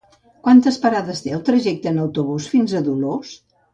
Quantes parades té el trajecte en autobús fins a Dolors?